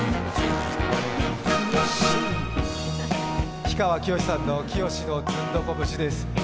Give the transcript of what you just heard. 氷川きよしさんの「きよしのズンドコ節」です。